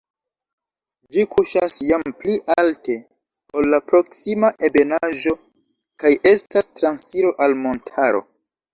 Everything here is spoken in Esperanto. Ĝi kuŝas jam pli alte, ol la proksima ebenaĵo kaj estas transiro al montaro.